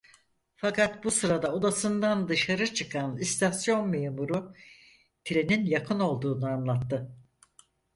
Fakat bu sırada odasından dışarı çıkan istasyon memuru trenin yakın olduğunu anlattı.